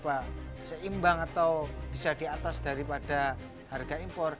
kalau harganya mungkin bisa seimbang atau bisa diatas daripada harga impor